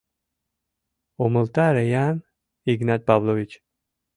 Умылтаре-ян, Игнат Павлович.